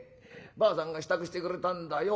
ばあさんが支度してくれたんだよ。